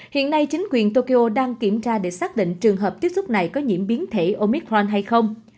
hiện nay chính quyền tokyo đang kiểm tra để xác định trường hợp tiếp xúc này có nhiễm biến thể omicron hay không